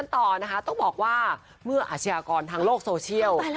ต้องบอกว่าเมื่ออาชียากรทางโลกโซเชียล